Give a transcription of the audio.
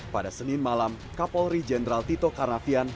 pada senin malam kapolri jenderal tito karnavian